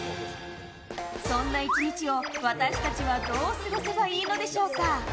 そんな１日を、私たちはどう過ごせばいいのでしょうか。